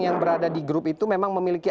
yang berada di grup itu memang memiliki